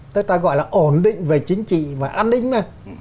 tức ta gọi là ổn định về chính trị và an ninh mà